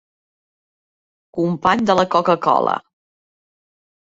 Company de la coca-cola.